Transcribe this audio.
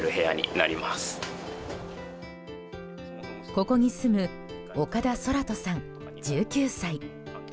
ここに住む岡田空渡さん、１９歳。